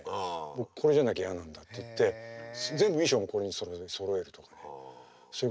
これじゃなきゃやなんだって言って全部衣装もこれにそろえるとかそういうことちゃんと考えて。